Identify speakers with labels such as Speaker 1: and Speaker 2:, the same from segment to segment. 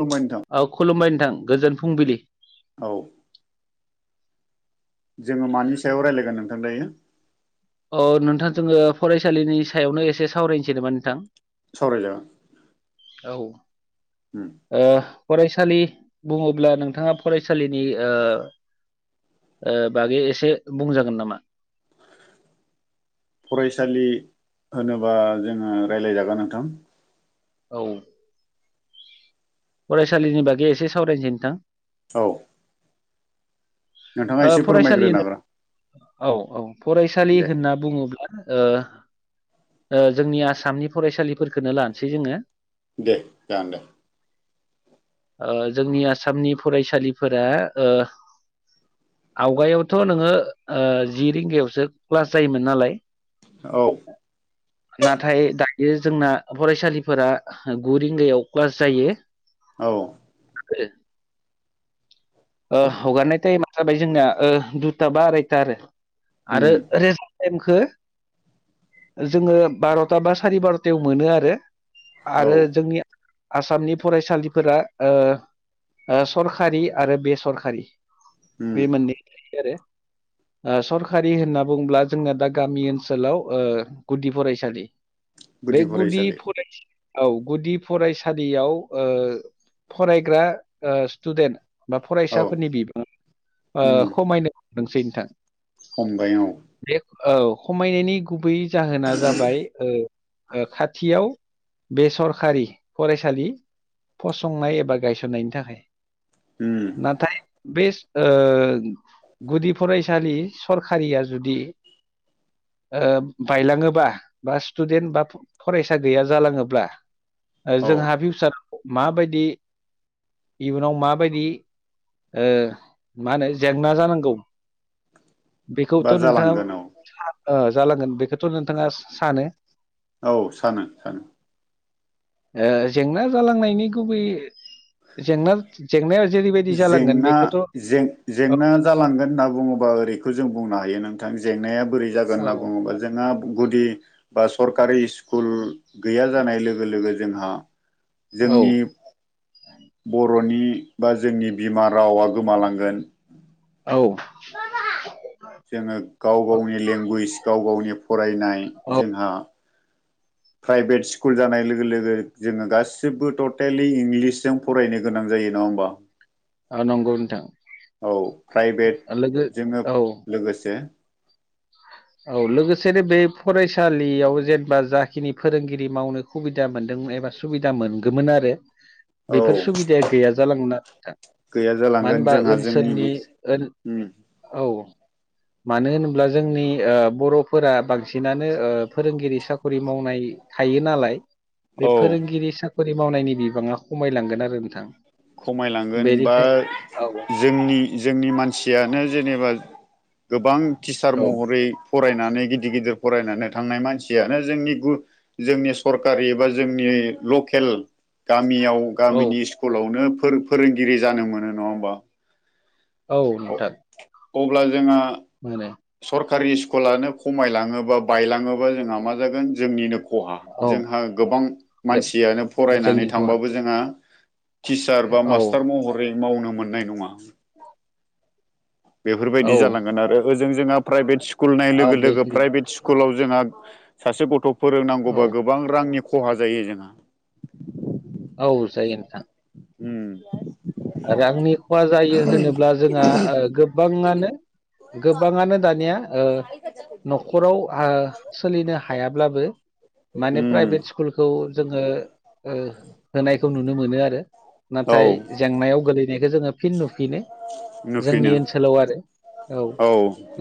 Speaker 1: खुलुमबाय नोंथां
Speaker 2: औ खुलुमबाय नोंथां गोजोन फुंबिलि
Speaker 1: औ जोङो मानि सायाव रायज्लायगोन नोंथां दायो
Speaker 2: अ नोंथां जोङो फरायसालिनि सायावनो एसे सावरायनोसै नामा नोंथां
Speaker 1: सावरायजागोन
Speaker 2: औ ओ फरायसालि बुङोब्ला नोंथाङा फरायसालिनि ओ ओ बागै एसे बुंजागोन नामा
Speaker 1: [unintelligible] फरायसालि होनोबा जोङो राय्लायजागोन नोंथां
Speaker 2: औ फरायसालिनि बागै एसे सावरायनोसै नोंथां
Speaker 1: औ नोंथाङा
Speaker 2: ओ
Speaker 1: एसे
Speaker 2: फरायसालि
Speaker 1: फोरमायग्रोनो
Speaker 2: होनना
Speaker 1: हागोन
Speaker 2: औ औ फरायसालि
Speaker 1: दे
Speaker 2: होनना बुङोब्ला ओ ओ‌ जोंनि आसामनि फरायसालिफोरखौनो लानोसै जोङो
Speaker 1: दे जागोन दे
Speaker 2: ओ जोंनि आसामनि फरायसालिफोरा ओ आवगायावथ' नोङो ओ जि रिंगायावसो क्लास जायोमोन नालाय
Speaker 1: औ
Speaker 2: नाथाय दायो जोंना फरायसालिफोरा गु रिंगायाव क्लास जायो
Speaker 1: औ
Speaker 2: [inaudible] ओ हगारनाय टाइमा जाबाय जोंनाया ओ दुता बा आरायता आरो आरो
Speaker 1: उम
Speaker 2: रे- टाइमखो जोङो बार'ता बा सारि बार'तायाव मोनो आरो
Speaker 1: औ
Speaker 2: आरो जोंनि आसामनि फरायसालिफोरा ओ ओ सरखारि आरो बेसरखारि
Speaker 1: उम
Speaker 2: बे मोननै आरो
Speaker 1: [unintelligible]
Speaker 2: ओ सरखारि होनना बुङोब्ला जोंना दा गामि ओनसोलाव ओ गुदि फरायसालि बे गुदि फरायसा औ गुदि फरायसालियाव ओ फरायग्रा ओ स्टुदेन्ट
Speaker 1: औ
Speaker 2: फरायसाफोरनि बिबाङा ओ
Speaker 1: उम
Speaker 2: खमायनो हदोंसै नोंथां
Speaker 1: हमबाय औ
Speaker 2: बे औ खमायनायनि गुबै जाहोना जाबाय ओ खाथियाव बे सरखारि फरायसालि फसंनाय एबा गायसननायनि थाखाय
Speaker 1: उम
Speaker 2: नाथाय बे ओ गुदि फराय- सालि सरखारिया जुदि ओ बायलाङोबा बा स्टुडेन्ट बा फरायसा गैया जालाङोब्ला ओ
Speaker 1: औ
Speaker 2: जोंहा फिउसाराव माबायदि इयुनाव माबायदि ओ मा होनो जेंना जानांगौ
Speaker 1: बा
Speaker 2: बेखौथ' नोंथाङा
Speaker 1: जालांगोन औ
Speaker 2: ओ जालांगोन बेखौथ' नोंथाङा सानो
Speaker 1: औ सानो सानो
Speaker 2: ओ जेंना जालांनायनि गुबै जेंना जेंनाया जेरैबायदि जालांगोन
Speaker 1: जेंना
Speaker 2: बेखौथ' औ
Speaker 1: जेंना जालांगोन होनना बुङोबा ओरैखौ जों बुंनो हायो नोंथां जेंनाया बोरै जागोन
Speaker 2: औ
Speaker 1: होनना बुङोबा जोंहा गुदि बा सरकारि स्कुल गैया जानाय लोगो लोगो जोंहा जोंनि बर'नि बा जोंनि बिमा रावा गोमालांगोन
Speaker 2: औ
Speaker 1: जोङो गाव गावनि लेंगुवेज गाव गावनि फरायनाय
Speaker 2: औ
Speaker 1: जोंहा [inaudible] प्राइभेट स्कुल जानाय लोगो लोगो जोङो गासिबो टटेलि इंलिसजों फरायनो गोनां जायो नङा ह़ोमबा।
Speaker 2: औ नंगौ नोंथां।
Speaker 1: औ प्राइभेट
Speaker 2: लोगो
Speaker 1: जोङो
Speaker 2: औ
Speaker 1: लोगोसे [inaudible]
Speaker 2: औ लोगोसेनो बे फरायसालियाव जेनेबा जाखिनि फोरोंगिरि मावनो खुबिदा मोनदों जे बा सुबिदा मोनगोमोन आरो बेफोर
Speaker 1: औ
Speaker 2: सुबिदाया गैया जालांगोन आरो नोंथां
Speaker 1: गैया
Speaker 2: मानो
Speaker 1: जालांगोन
Speaker 2: होनबा
Speaker 1: जोंहा
Speaker 2: ओनसोलनि
Speaker 1: जोंनिनो
Speaker 2: ओन
Speaker 1: उम
Speaker 2: औ मानो होनोब्ला जोंनि ओ बरफोरा बांसिनानो फोरोंगिरि सा खरि मावनाय थायो नालाय
Speaker 1: औ
Speaker 2: बे फोरोंगिरि साखि मावनायनि बिबाङा खमायलांगोन आरो नोंथां
Speaker 1: खमायलांगोन बा
Speaker 2: बेनिखाय औ
Speaker 1: जोंनि जोंनि मानसियानो जेनेबा गोबां टिचार
Speaker 2: औ
Speaker 1: महरै फरायनानै गिदिर गिदिर फरायनानै थांनाय मानसियानो जोंनि गु जोंनि सरकारि बा जोंनि ल खेल गामियाव
Speaker 2: औ
Speaker 1: गामिनि स्कुलावनो फोर फोरोंगिरि जानो मोनो नङा होमबा
Speaker 2: औ नोंथां
Speaker 1: अब्ला जोंहा
Speaker 2: [inaudible]
Speaker 1: सरकारि स्कुलानो खमायलाङोबा बायलाङोबा जोंहा मा जागोन जोंनिनो खहा
Speaker 2: औ
Speaker 1: जोंहा गोबां
Speaker 2: जों
Speaker 1: मानसियानो फरायनानै
Speaker 2: जोंनि खहा
Speaker 1: थांबाबो जोंहा टिचार बा
Speaker 2: औ
Speaker 1: मास्टार महरै मावनो मोननाय नङा
Speaker 2: [unintelligible]
Speaker 1: बेफोरबायदि
Speaker 2: औ
Speaker 1: जालांगोन आरो ओजों जोंहा प्राइभेट स्कुल नाय
Speaker 2: आ
Speaker 1: लोगो लोगो
Speaker 2: बेखिनि
Speaker 1: प्राइभेट स्कुलाव जोंहा सासे गथ
Speaker 2: औ
Speaker 1: फोरोंनांगौबा गोबां रांनि खहा जायो जोंहा
Speaker 2: औ जायो नोंथां
Speaker 1: उम
Speaker 2: रांनि खहा जायो होनोब्ला जोंहा ओ गोबाङानो गोबाङानो दानिया ओ नखराव हो सोलिनो हायाब्लाबो माने
Speaker 1: उम
Speaker 2: प्राइभेट स्कुलखौ जोङो ओ होनायखौ नुनो मोनो आरो
Speaker 1: औ
Speaker 2: नाथाय संनायाव गोलैनायखो जोङो फिन नुफिनो जोंनि
Speaker 1: नुफिनो
Speaker 2: ओनसोलाव आरो औ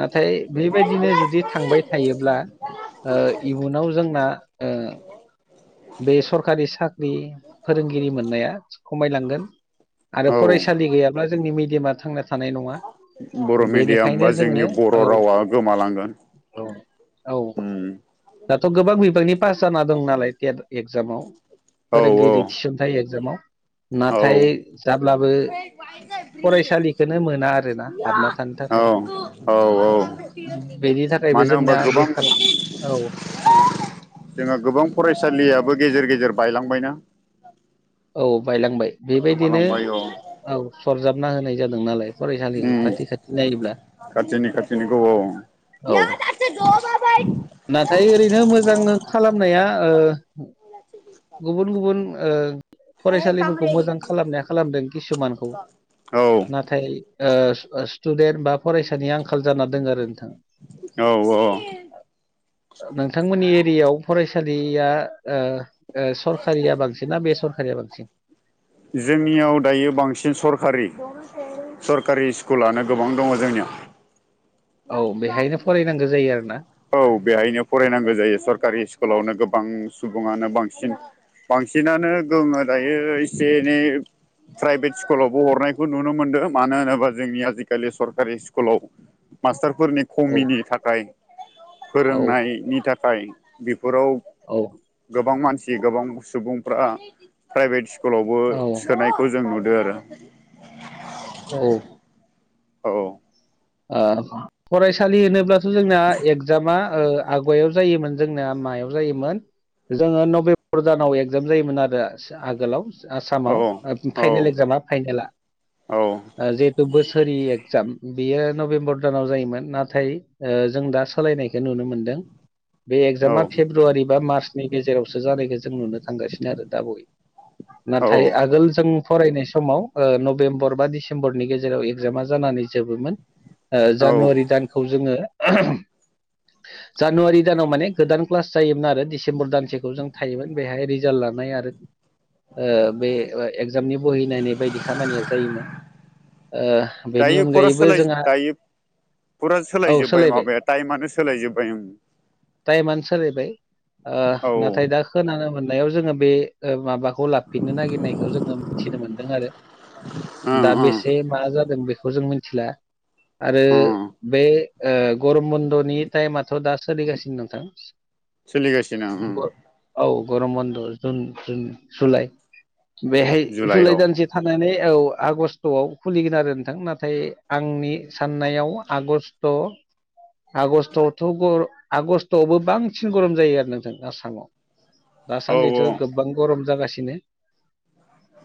Speaker 2: नाथाय बेबायदिनो जुदि थांबाय थायोब्ला ओ इयुनाव जोंना ओ बे सरखारि साख्रि फोरोंगिरि मोननाया खमायलांगोन आरो
Speaker 1: औ
Speaker 2: फरायसालि गैयाब्ला जोंनि मिडियामा थांना थानाय नङा
Speaker 1: बर' मिडियाम
Speaker 2: बेनिखायनो
Speaker 1: बा
Speaker 2: जोङो
Speaker 1: जोंनि बर'
Speaker 2: औ
Speaker 1: रावा गोमालांगोन
Speaker 2: औ औ
Speaker 1: उम
Speaker 2: दाथ गोबां बिबांनि पास जाना दं नालाय टेथ एगजामाव
Speaker 1: औ औ
Speaker 2: फोरोंगिरि थिसनथायाइ एगजामाव
Speaker 1: औ
Speaker 2: नाथाय जाब्लाबो फरायसालिखौनो मोना आरोना हाबना थानो
Speaker 1: औ
Speaker 2: थाखाय
Speaker 1: औ औ
Speaker 2: बेनि थाखायबो
Speaker 1: मानो
Speaker 2: जोंना
Speaker 1: होनबा गोबां
Speaker 2: बेखार औ
Speaker 1: जोंहा गोबां फरायसालियाबो गेजेर गेजेर बायलांबायना
Speaker 2: औ बायलांबाय बेबायदिनो
Speaker 1: गोमालांबाय औ
Speaker 2: औ सरजाबना होनाय जादों नालाय फरायसालिखौ
Speaker 1: उम
Speaker 2: खाथि खाथि नायोब्ला
Speaker 1: खाथिनि खाथिनिखौ औ
Speaker 2: औ नाथाय ओरैनो मोजां खालामनाया ओ गुबुन गुबुन ओं फरायसालिफोरखो मोजां खालामनाया खालामदों किसुमानखौ
Speaker 1: औ
Speaker 2: नाथाय ओ स्टु स्टुडेन्ट बा फरायसा नि आंखाल जाना दङ आरो नोंथां
Speaker 1: औ औ
Speaker 2: नोंथांमोननि नियाव फरायसालिया ओ ओ सरकारिया बांसिन ना बे सरकारिया बांसिन
Speaker 1: जोंनियाव दायो बांसिन सरखारि सरकारि स्कुलानो गोबां दङ जोंनियाव
Speaker 2: औ बेहायनो फरायनांगो जायो आरो ना
Speaker 1: औ बेहायनो फरायनांगो जायो सरकारि स्कुलावनो गोबां गोबां सुबुङानो बांसिन बांसिनानो गोहोमा दायो एसे एनै प्राइभेट स्कुलावबो हरनायखौ नुनो मोन्दों मानो होनोबा जोंनि आजिखालि सरकारि स्कुलाव मास्टारफोरनि
Speaker 2: औ
Speaker 1: खमिनि थाखाय
Speaker 2: औ
Speaker 1: फोरोंनायनि थाखाय बेफोराव
Speaker 2: औ।
Speaker 1: गोबां मानसि गोबां सुबुंफ्रा प्राइभेट स्कुलावबो
Speaker 2: औ
Speaker 1: सोनायखौ जों नु दों आरो।
Speaker 2: औ।
Speaker 1: औ।
Speaker 2: ओं फरायसालि होनोब्लाथ' जोंना एग्जामा ओं आगायाव जायोमोन जोंना मायाव जायोमोन? जोङो नभेम्बर दानाव एग्जाम जायोमोन आरो आगोलाव।
Speaker 1: औ
Speaker 2: आसामाव
Speaker 1: औ
Speaker 2: फाइनेल एक्जामा फाइनेला।
Speaker 1: औ
Speaker 2: जिहेतु बोसोरिया एक्जाम बियो नभेम्बर दानाव जायोमोन नाथाय ओं जों दा सोलायनायखौ नुनो मोनदों। बे एगजामा फेब्रुवारि बा मार्चनि गेजेरावसो जानायखौ जों नुनो थांगासिनो आरो दा बावयै।
Speaker 1: औ
Speaker 2: नाथाय आगोल जों फरायनाय समाव ओं नभेम्बर बा डिसेम्बरनि गेजेराव एग्जामा जानानै जोबोमोन। ओ
Speaker 1: औ
Speaker 2: जानुवारि दानखौ जोङो
Speaker 1: [inaudible]
Speaker 2: जानुवारि दानाव माने गोदान क्लास जायोमोन आरो डिसेम्बर दानसेखौ जों थायोमोन बेहाय रिजाल्ट लानाय आरो ओ बे एगजामनि बहि नायनाय बायदि खामानिया जायोमोन। ओ बेनि उनाव
Speaker 1: दायो फुरा सोलाय जोब्बाय दायो फुरा
Speaker 2: औ
Speaker 1: सोलायजोबबाय
Speaker 2: सोलायबाय
Speaker 1: माबाया टाइमानो सोलाय जोबबाय ओम।
Speaker 2: टाइमानो सोलायबाय ओ नाथाय दा
Speaker 1: ओं
Speaker 2: खोनानो मोननायाव जोङो बे ओ माबाखौ लाफिननो नागिरनायखौ जोङो मिथिनो मोनदों आरो। दा
Speaker 1: ओं
Speaker 2: बेसे मा जादों बेखौ जों मिथिला आरो
Speaker 1: ओं
Speaker 2: बे ओ गरम बन्द'नि टाइमा थ' दा सोलिगासिनो नोंथां
Speaker 1: सोलिगासिनो ओं
Speaker 2: गरम औ। गरम बन्द' जुन जुन जुलाइ बेहाय जुलाइ
Speaker 1: जुलाइआव
Speaker 2: दानसे थानानै औ आगष्टआव खुलिगोन आरो नोंथां ना थाय आंनि साननायाव आगष्ट आगस्टआवथ' गर आगस्टआवबो बांसिन गरम जायो आरो नोंथां आसामाव।
Speaker 1: औ
Speaker 2: दासान्दिथ'
Speaker 1: औ
Speaker 2: गोबां गरम जागासिनो।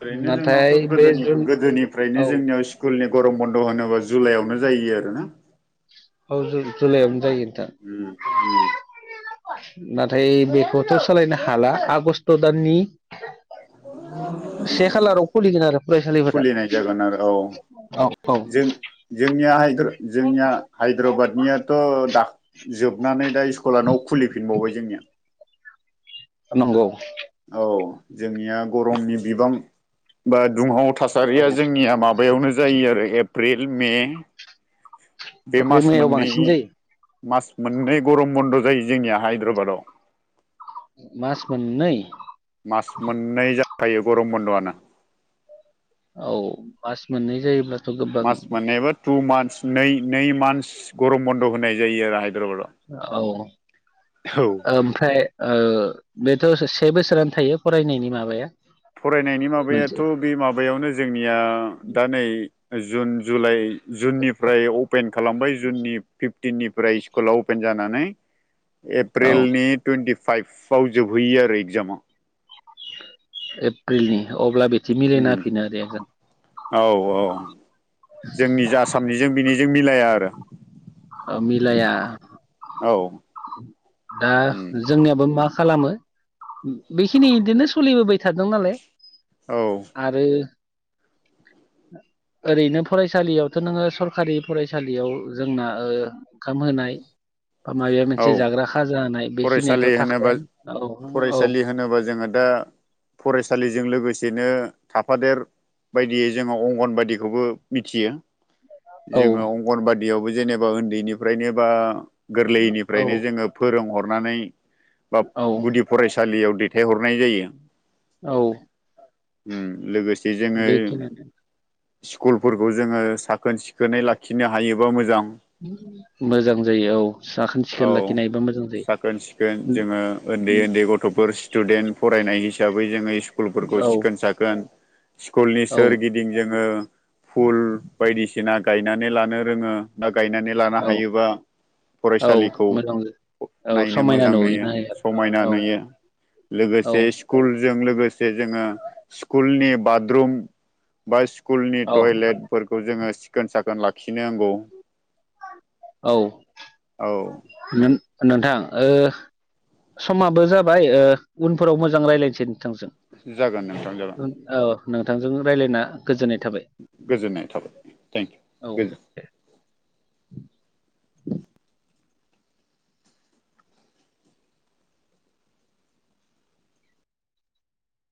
Speaker 1: ओरैनो
Speaker 2: नाथाय
Speaker 1: जोंनावथ'
Speaker 2: बे
Speaker 1: गोदोनि
Speaker 2: जुन
Speaker 1: गोदोनिफ्रायनो
Speaker 2: औ
Speaker 1: जोंनियाव स्कुलनि गरम बन्द होनोबा जुलाइआवनो जायो आरो ना।
Speaker 2: औ जु-जुलाइयावनो जायो। नोंथां
Speaker 1: ओम ओम
Speaker 2: नाथाय बेखौथ' सालायनो हाला आगस्ट दाननि से खालाराव खुलिगोन आरो फरायसालिफोरा
Speaker 1: खुलिनाय जागोन आरो औ
Speaker 2: औ औ
Speaker 1: जों जोंनिया हाद्र जोंनिया हायद्राबादनियाथ' दा जोबनानै दा स्कुला न' खुलिफिनबावबाय जोंनिया।
Speaker 2: नंगौ
Speaker 1: औ जोंनिया गरमनि बिबां बा दुंहाव
Speaker 2: औ
Speaker 1: थासारिया जोंनिया माबायावनो जायो आरो एप्रिल मे बे
Speaker 2: एप्रिल
Speaker 1: मास
Speaker 2: मेयाव
Speaker 1: मोननै
Speaker 2: बांसिन जायो
Speaker 1: मास मोननै गरम बन्द' जायो जोंनिया हायद्राबादाव।
Speaker 2: मास मोननै?
Speaker 1: मास मोननै जाखायो गरम बन्द'आनो।
Speaker 2: औ मास मोनै जायोब्ला
Speaker 1: मास मोनानेबा टु मान्स नै नै मान्स गरम बन्द' होनाय जायो आरोाय
Speaker 2: औ
Speaker 1: औ
Speaker 2: ओमफ्राय बे ाथ' से बोसोरानो थायो फरायनायनि माबाया
Speaker 1: फरायनायनि
Speaker 2: मोनसे
Speaker 1: माबायाथ' बे माबायावनो जोंनिया दा नै जुन जुलाइ जुननिफ्राय अपेन खालामबाय जुननि फिफ कु
Speaker 2: औ
Speaker 1: फाइभव जोबहैयो आरो एगजामाव
Speaker 2: एप्रिलनि अब्ला बिथि
Speaker 1: उम
Speaker 2: मिलायना होफिनो आरो आ जों
Speaker 1: औ औ जोंनि जाे आसामनिजों बिनिजों मिलाया आरो
Speaker 2: मिलाया
Speaker 1: औ
Speaker 2: दा
Speaker 1: उम
Speaker 2: जोंनियाबो मा खालामो बेखिनि बिदिनो सोलिबोबाय थादों नालाय
Speaker 1: औ
Speaker 2: आरो
Speaker 1: [inaudible]
Speaker 2: ओरैनो फरायसालियावथ' नोङो सरखारि फरायसालियाव जोंना ओंखाम होनाय बा माबाया मोनसे
Speaker 1: औ
Speaker 2: जाग्रा खाजा होनानाय
Speaker 1: फरायसालि
Speaker 2: बेखिनियाथ'
Speaker 1: होनोबा
Speaker 2: थाखाय औ औ
Speaker 1: फरायसालि होनोबा जोङो दा फरायसालिजों लोगोसे बिदिनो थाफादेर बायदियै जोङो अंगन बायदिखौबो मिथियो
Speaker 2: औ
Speaker 1: जोङो अंगनबादियावबो जेनेबा उन्दैनिफ्रायनो बा
Speaker 2: औ
Speaker 1: गोरलैनिफ्रायनो जोङो फोर रोंहरनानै बा
Speaker 2: औ
Speaker 1: गुदि फरायसालियाव दैथायहरनाय जायो
Speaker 2: औ
Speaker 1: लोगोसे जोङो
Speaker 2: बेखिनियानो
Speaker 1: स्कुलफोरखौ जोङो साखोन सिखोनै लाखिनो हायोबा मोजां
Speaker 2: मोजां जायो औ साखोन सिखोन
Speaker 1: औ
Speaker 2: लाखिनायबा मोजां जायो
Speaker 1: साखोन सिखोन जोङो उन्दै उन्दै गथ'फोर स्टुडेन्ट फरायनाय हिसाबै जोङो स्कुलफोरखौ
Speaker 2: औ
Speaker 1: सिखोन साखोन स्कुलनि
Speaker 2: औ
Speaker 1: सोरगिदिं जोङो फुल बायदिसिना गायनानै लानो रोङो गायनानै लानो
Speaker 2: औ
Speaker 1: हायोबा
Speaker 2: औ
Speaker 1: फरायसालि
Speaker 2: मोजां औ
Speaker 1: नायनो
Speaker 2: समायना
Speaker 1: मोजां नुयो
Speaker 2: नुहैनो हायो
Speaker 1: समायना
Speaker 2: औ
Speaker 1: नुयो
Speaker 2: औ
Speaker 1: लोगोसे स्कुल जों लोगोसे जोङो स्कुलनि बरुम बा स्कुलनि
Speaker 2: औ
Speaker 1: टयलेटफोरखौ जोङो सिखोन साखोन लाखिनो नांगौ
Speaker 2: औ नोंथां समाबो जाबाय उनफोराव मोजां रायज्लायसिन
Speaker 1: जागोन नोंथां जागोन
Speaker 2: औ नोंथांजों रायज्लायना गोजोननाय थाबाय
Speaker 1: गोजोननाय थाबाय
Speaker 2: औ
Speaker 1: थेंकिउ
Speaker 2: द